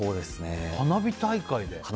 花火大会で？